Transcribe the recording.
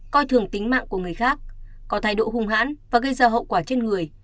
coi thường tính mạng của người khác có thái độ hung hãn và gây ra hậu quả trên người